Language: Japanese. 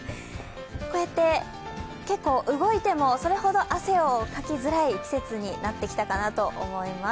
こうやって結構動いても、それほど汗をかきづらい季節になってきたかなと思います。